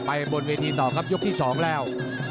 บนเวทีต่อครับยกที่๒แล้ว